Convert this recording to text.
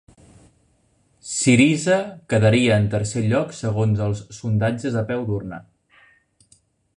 Syriza quedaria en tercer lloc segons els sondatges a peu d'urna